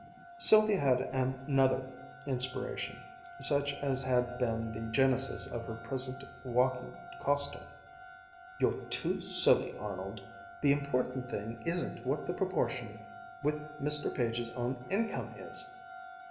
Sylvia had another inspiration, such as had been the genesis of her present walking costume. "You're too silly, Arnold. The important thing isn't what the proportion with Mr. Page's own income is!